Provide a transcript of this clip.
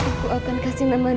aku akan kasih nama dia